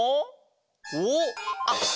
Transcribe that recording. おおあっ